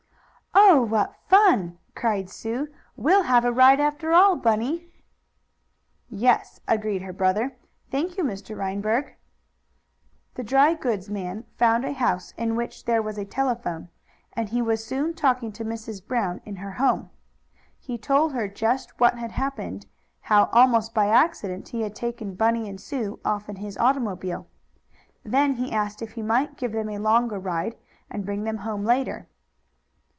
"Oh, what fun!" cried Sue. "We'll have a ride, after all, Bunny." "Yes," agreed her brother. "Thank you, Mr. Reinberg." The dry goods man found a house in which there was a telephone, and he was soon talking to Mrs. Brown in her home. He told her just what had happened; how, almost by accident, he had taken Bunny and Sue off in his automobile. Then he asked if he might give them a longer ride, and bring them home later.